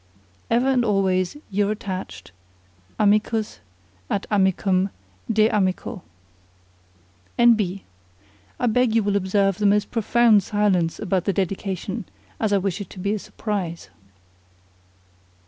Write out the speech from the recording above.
Ever and always your attached Amicus ad Amicum de Amico. [Music: Treble clef. O Ad ju tant!] N.B. I beg you will observe the most profound silence about the dedication, as I wish it to be a surprise!